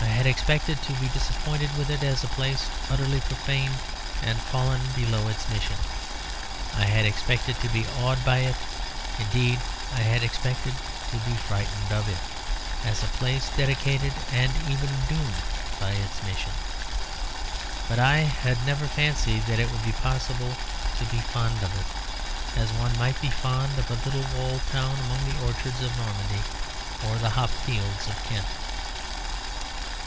I had expected to be disappointed with it as a place utterly profaned and fallen below its mission. I had expected to be awed by it; indeed I had expected to be frightened of it, as a place dedicated and even doomed by its mission. But I had never fancied that it would be possible to be fond of it; as one might be fond of a little walled town among the orchards of Normandy or the hop fields of Kent.